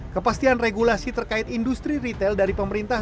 kepastian regulasi terkait industri retail dari pemerintah